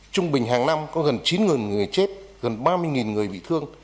trung bình hàng năm có gần chín người chết gần ba mươi người bị thương